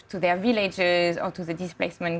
ke wilayah mereka atau ke kamp penggunaan